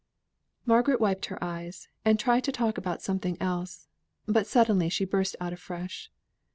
Margaret wiped her eyes, and tried to talk about something else, but suddenly she burst out afresh.